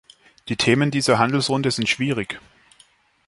Die Themen in dieser Handelsrunde sind schwierig.